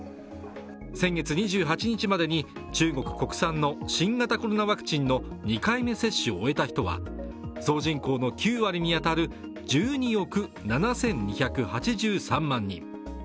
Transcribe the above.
先月２８日までに中国国産の新型コロナワクチンの２回目接種を終えた人は総人口の９割に当たる１２億７２８３万人。